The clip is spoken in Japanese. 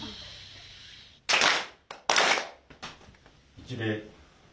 一礼。